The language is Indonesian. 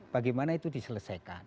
bagaimana itu diselesaikan